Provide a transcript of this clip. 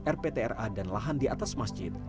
rptra dan lahan di atas masjid